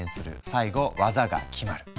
最後技が決まる。